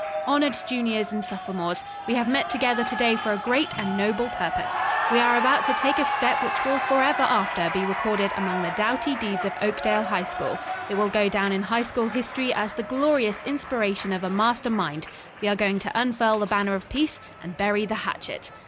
"Honored juniors and sophomores. We have met together to day for a great and noble purpose. We are about to take a step which will forever after be recorded among the doughty deeds of Oakdale High School. It will go down in High School history as the glorious inspiration of a master mind. We are going to unfurl the banner of peace and bury the hatchet.